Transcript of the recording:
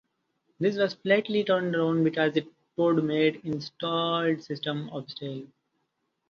This was flatly turned down because it would make installed systems obsolete.